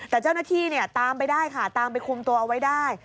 แต่เจ้าหน้าที่ตามไปได้ค่ะตามไปคุมตัวเอาไว้ได้